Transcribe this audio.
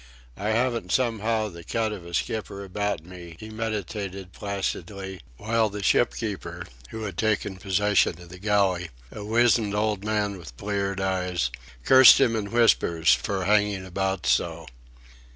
"I haven't somehow the cut of a skipper about me," he meditated, placidly, while the shipkeeper (who had taken possession of the galley), a wizened old man with bleared eyes, cursed him in whispers for "hanging about so."